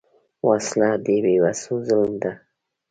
وسله د بېوسو ظلم ده